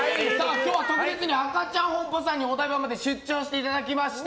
今日は特別にアカチャンホンポさんにお台場まで出張していただきました。